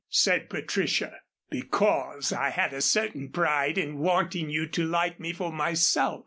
said Patricia. "Because I had a certain pride in wanting you to like me for myself."